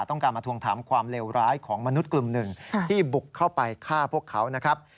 ต้องการมาทวงถามความเลวร้ายของมนุษย์กลุ่มหนึ่งที่บุกเข้าไปฆ่าพวกเขานะครับ